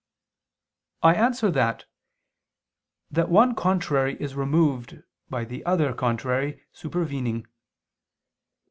I answer that, That one contrary is removed by the other contrary supervening.